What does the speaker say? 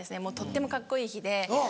もうとってもカッコいい日で。